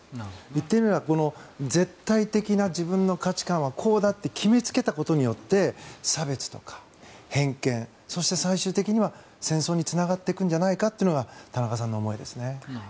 言ってみれば絶対的な自分の価値観はこうだって決めつけたことによって差別とか偏見そして、最終的には戦争につながっていくんじゃないかというのが田中さんの思いですね。